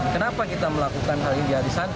kenapa kita melakukan hal ini di arisan